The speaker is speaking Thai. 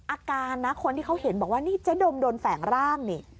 อาการนะคนที่เขาเห็นบอกว่านี่เจ๊ดมโดนแฝงร่างนี่